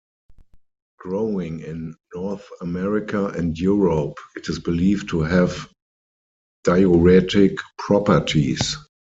Growing in North America and Europe, it is believed to have diuretic properties.